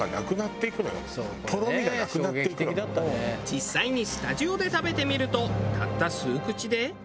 実際にスタジオで食べてみるとたった数口で。